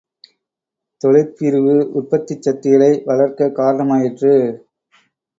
தொழிற் பிரிவு, உற்பத்திச் சக்திகளை வளர்க்கக் காரணமாயிற்று.